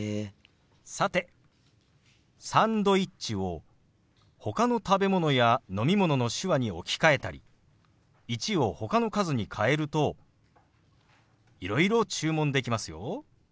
さて「サンドイッチ」をほかの食べ物や飲み物の手話に置き換えたり「１」をほかの数に変えるといろいろ注文できますよ。